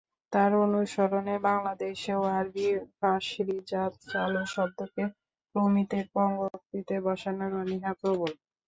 তার অনুসরণে বাংলাদেশেও আরবি-ফারসিজাত চালু শব্দকে প্রমিতের পঙ্িক্ততে বসানোর অনীহা প্রবল।